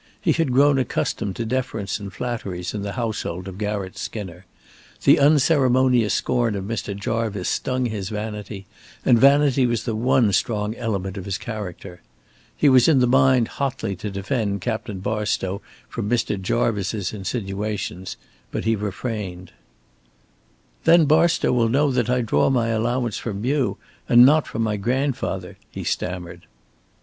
He had grown accustomed to deference and flatteries in the household of Garratt Skinner. The unceremonious scorn of Mr. Jarvice stung his vanity, and vanity was the one strong element of his character. He was in the mind hotly to defend Captain Barstow from Mr. Jarvice's insinuations, but he refrained. "Then Barstow will know that I draw my allowance from you, and not from my grandfather," he stammered.